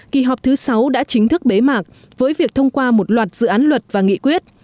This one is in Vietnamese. kỳ họp thứ sáu đã chính thức bế mạc với việc thông qua một loạt dự án luật và nghị quyết